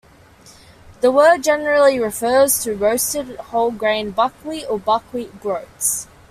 The word generally refers to roasted whole-grain buckwheat or buckwheat groats.